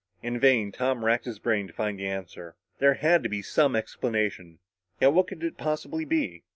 In vain, Tom racked his brain to find the answer. There had to be some explanation. Yet what could it possibly be?